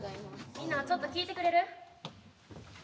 みんなちょっと聞いてくれる？